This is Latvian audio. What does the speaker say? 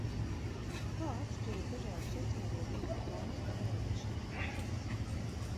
Kā atšķiras dažādu sociālo vietņu kontu pārvaldīšanas process?